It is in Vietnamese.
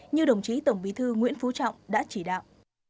như đồng chí tổng bí thư nguyễn phú trọng đã chỉ đạo